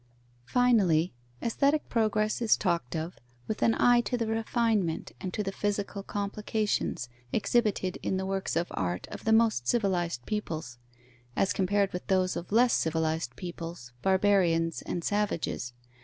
Finally, aesthetic progress is talked of, with an eye to the refinement and to the psychical complications exhibited in the works of art of the most civilized peoples, as compared with those of less civilized peoples, barbarians and savages.